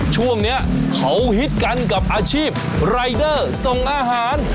ช่วงนี้เขาฮิตกันกับอาชีพรายเดอร์ส่งอาหาร